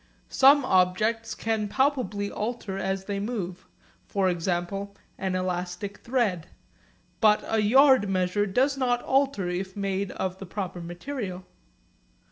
Some objects can palpably alter as they move for example, an elastic thread; but a yard measure does not alter if made of the proper material.